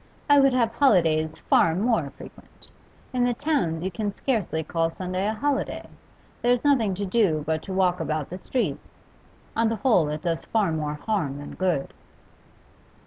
'I would have holidays far more frequent. In the towns you can scarcely call Sunday a holiday. There's nothing to do but to walk about the streets. On the whole it does far more harm than good.